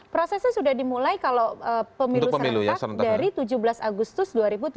prosesnya sudah dimulai kalau pemilu serentak dari tujuh belas agustus dua ribu tujuh belas